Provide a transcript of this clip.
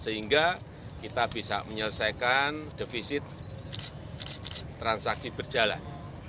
sehingga kita bisa menyelesaikan defisit transaksi berjalan